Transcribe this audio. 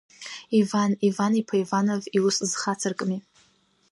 Иван Иван-иԥа Иванов иус зхацыркыми.